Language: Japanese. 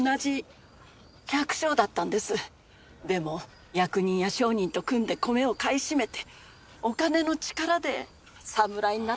でも役人や商人と組んで米を買い占めてお金の力で侍になったんです。